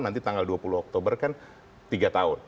nanti tanggal dua puluh oktober kan tiga tahun